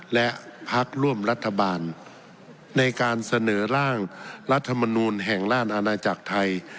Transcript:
และพักร่วมรัฐบาลในการเสนอร่างรัฐมนูลแห่งราชอาณาจักรไทย